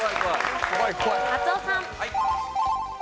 松尾さん。